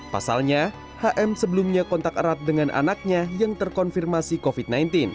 pasalnya hm sebelumnya kontak erat dengan anaknya yang terkonfirmasi covid sembilan belas